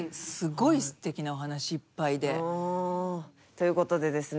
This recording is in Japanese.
という事でですね